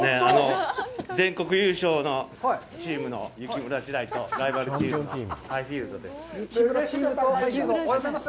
全国優勝のチームの雪村時代とライバルチームのＨｉ−Ｆｉｅｌｄです。